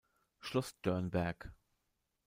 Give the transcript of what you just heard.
Schloss Dörnberg.